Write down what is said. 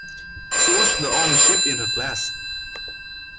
She was the only ship in her class.